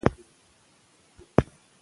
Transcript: چې نن شپه او ورځ پر پښتو ژبه ملنډې وهي،